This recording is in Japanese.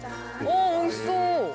ああおいしそう！